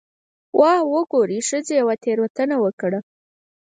'واه وګورئ، ښځې یوه تېروتنه وکړه'.